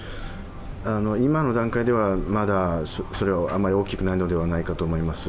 今の段階では、まだそれはあまり大きくないのではないかと思います。